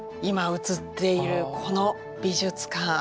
今映っているこの美術館。